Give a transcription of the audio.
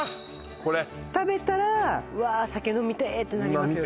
これ食べたら「うわ酒飲みて」ってなりますよね？